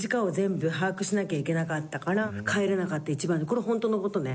これ本当のことね。